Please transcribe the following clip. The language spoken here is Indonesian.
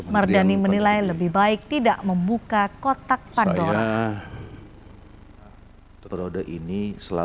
mardani menilai lebih baik tidak membuka kotak pandora